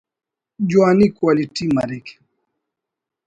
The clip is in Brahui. جوانی (Quality) مریک